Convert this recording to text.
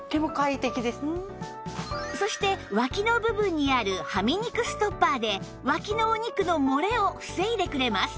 そして脇の部分にあるはみ肉ストッパーで脇のお肉の漏れを防いでくれます